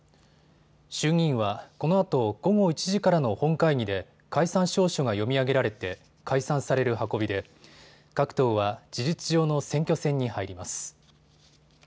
衆議院はこのあと午後１時からの本会議で解散詔書が読み上げられて解散される運びで各党は事実上の選挙戦に入ります。